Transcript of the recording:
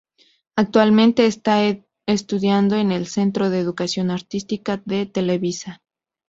Actualmente esta estudiando en el Centro de Educación Artística de Televisa.